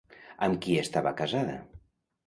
Amb qui estava casada?